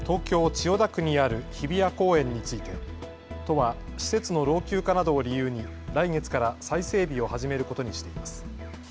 千代田区にある日比谷公園について都は施設の老朽化などを理由に来月から再整備を始めることにしています。